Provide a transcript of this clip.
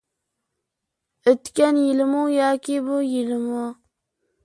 ئۆتكەن يىلمۇ ياكى بۇ يىلمۇ؟